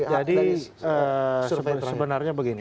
jadi sebenarnya begini